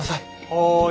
はい。